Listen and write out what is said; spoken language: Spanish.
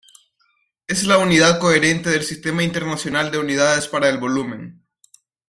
Es la unidad coherente del Sistema Internacional de Unidades para el volumen.